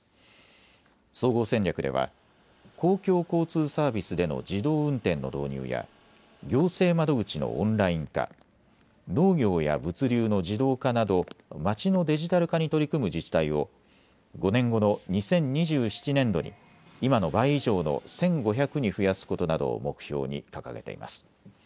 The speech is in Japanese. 総合戦略では公共交通サービスでの自動運転の導入や行政窓口のオンライン化、農業や物流の自動化などまちのデジタル化に取り組む自治体を５年後の２０２７年度に今の倍以上の１５００に増やすことなどを目標に掲げています。